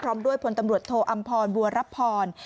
พร้อมด้วยพลตำรวจโทอำพรบัวรับพร